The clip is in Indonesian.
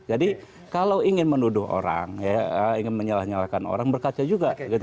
jadi kalau ingin menuduh orang ingin menyalah nyalahkan orang berkaca juga